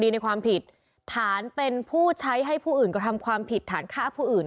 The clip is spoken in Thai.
ในความผิดฐานเป็นผู้ใช้ให้ผู้อื่นกระทำความผิดฐานฆ่าผู้อื่น